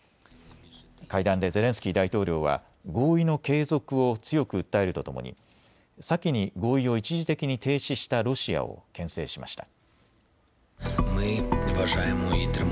会談でゼレンスキー大統領は合意の継続を強く訴えるとともに先に合意を一時的に停止したロシアをけん制しました。